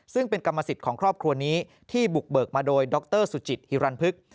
ซึ่งเป็นกรรมสิทธิ์ของครอบครัวนี้ที่บุกเบิกมาโดยดรสุจิตฮิรันพึก